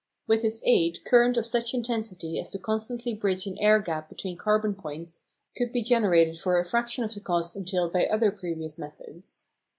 With its aid current of such intensity as to constantly bridge an air gap between carbon points could be generated for a fraction of the cost entailed by other previous methods.